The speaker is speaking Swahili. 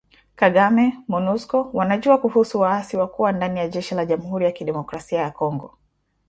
Kagame Monusco wanajua kuhusu waasi wa kuwa ndani ya jeshi la jamhuri ya kidemokrasia ya Kongo